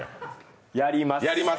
やります！